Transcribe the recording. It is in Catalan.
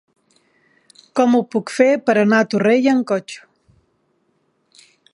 Com ho puc fer per anar a Torrella amb cotxe?